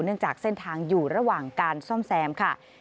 จากเส้นทางอยู่ระหว่างการซ่อมแซมค่ะ